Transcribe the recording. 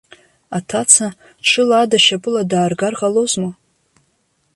Аҭаца, ҽыла ада шьапыла дааргар ҟалозма?